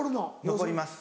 残ります。